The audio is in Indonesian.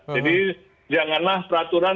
jadi janganlah peraturan